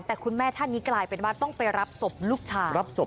แต่คุณแม่ท่านนี้กลายเป็นว่าต้องไปรับศพลูกชายรับศพ